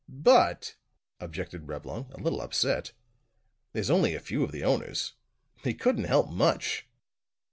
"But," objected Reblong, a little upset, "there's only a few of the owners. They couldn't help much."